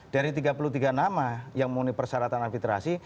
dari tiga puluh tiga nama yang memenuhi persyaratan administrasi